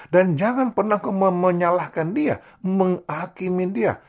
dan jangan pernah menyalahkan dia menghakimin dia